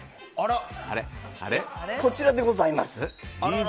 こちらでございます。